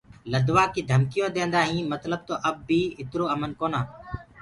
لدوآ ڪيٚ ڌمڪيٚونٚ ديندآ هينٚ متلب تو اب بي اِترو امن ڪونا۔